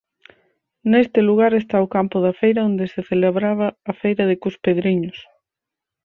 Neste lugar está o campo da Feira onde se celebraba a Feira de Cuspedriños.